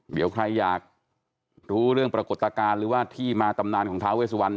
เดี๋ยวใครอยากรู้เรื่องปรากฏการณ์หรือว่าที่มาตำนานของท้าเวสวัน